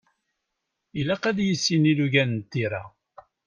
Ilaq ad yissin ilugan n tira.